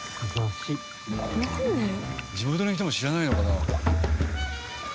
地元の人も知らないのかな？